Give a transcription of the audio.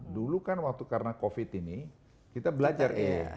dulu kan waktu karena covid ini kita belajar